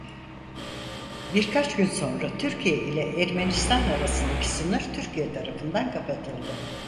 Birkaç gün sonra Türkiye ile Ermenistan arasındaki sınır Türkiye tarafından kapatıldı.